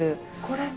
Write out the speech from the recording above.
これ？